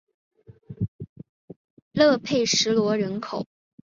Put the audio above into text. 勒佩什罗人口变化图示